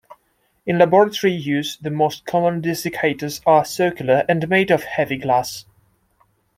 In laboratory use, the most common desiccators are circular and made of heavy glass.